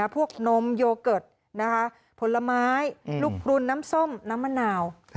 นมโยเกิร์ตผลไม้ลูกรุนน้ำส้มน้ำมะนาว